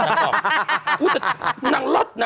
นางบอกนางลัดนะ